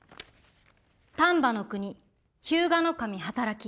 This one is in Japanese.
「丹波国日向守働き」。